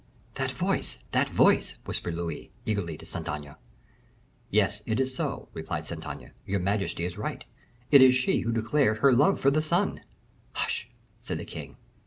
"That voice! that voice!" whispered Louis, eagerly, to Saint Aignan. "Yes, it is so," replied Saint Aignan; "your majesty is right; it is she who declared her love for the sun." "Hush!" said the king.